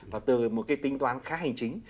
và từ một cái tính toán khá hành chính